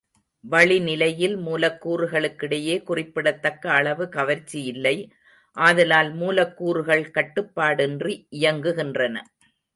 வளிநிலையில் மூலக்கூறுகளுக்கிடையே குறிப்பிடத் தக்க அளவு கவர்ச்சி இல்லை ஆதலால், மூலக்கூறுகள் கட்டுப்பாடின்றி இயங்குகின்றன.